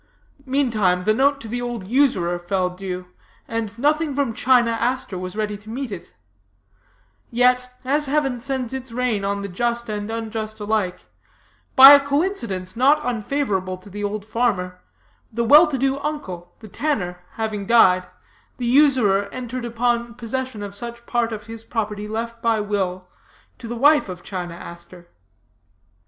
Meantime, the note to the old usurer fell due, and nothing from China Aster was ready to meet it; yet, as heaven sends its rain on the just and unjust alike, by a coincidence not unfavorable to the old farmer, the well to do uncle, the tanner, having died, the usurer entered upon possession of such part of his property left by will to the wife of China Aster.